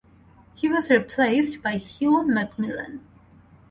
He was replaced by Hugh McMillan.